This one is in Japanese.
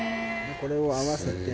これを合わせて。